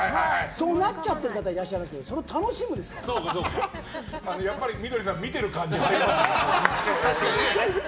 そうなっちゃってる方はいらっしゃいますけどやっぱり、美どりさんが見てる感じありますね。